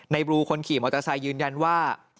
บลูคนขี่มอเตอร์ไซค์ยืนยันว่า